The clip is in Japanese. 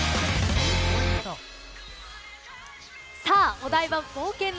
お台場冒険王